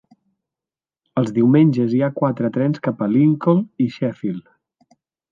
Els diumenges hi ha quatre trens cap a Lincoln i Sheffield.